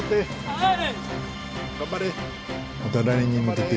はい！